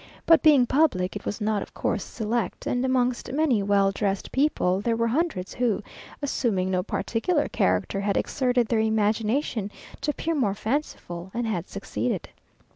But being public, it was not, of course, select, and amongst many well dressed people, there were hundreds who, assuming no particular character, had exerted their imagination to appear merely fanciful, and had succeeded.